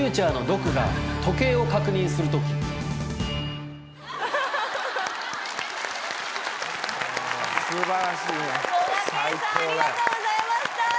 こがけんさんありがとうございました！